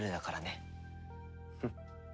フッ。